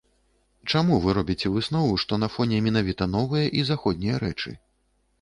Чаму вы робіце выснову, што на фоне менавіта новыя і заходнія рэчы?